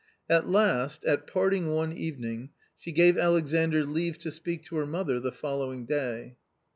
At last, at parting one evening, she gave Alexandr leave to speak to her mother the following day.